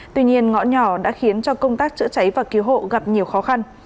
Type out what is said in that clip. tuy nhiên ngõ nhỏ đã khiến cho công tác chữa cháy và cứu hộ gặp nhiều khó khăn